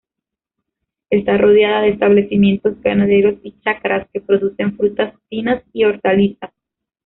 Está rodeada de establecimientos ganaderos y chacras que producen frutas finas y hortalizas.